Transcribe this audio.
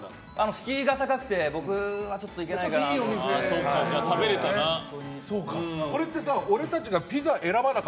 敷居が高くて僕はちょっと行けなかったなと。